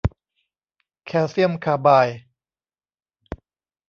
แคลเซียมคาร์ไบด์